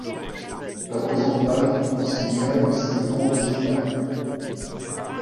La présente page en signale ses grandes étapes.